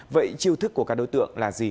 vậy chiêu thức của các đối tượng là gì